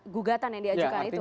gugatan yang diajukan itu